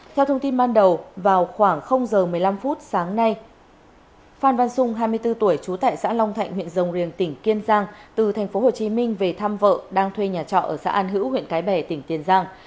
theo thông tin ban đầu vào khoảng h một mươi năm sáng nay phan văn sung hai mươi bốn tuổi trú tại xã long thạnh huyện rồng riềng tỉnh kiên giang từ tp hcm về thăm vợ đang thuê nhà trọ ở xã an hữu huyện cái bẻ tỉnh tiền giang